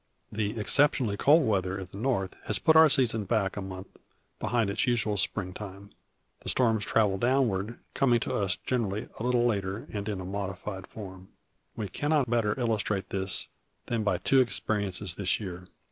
The exceptionally cold winter at the North has put our season here back a month behind its usual spring time. The storms travel downward, coming to us, generally, a little later, and in a modified form. We cannot better illustrate this than by two experiences this year.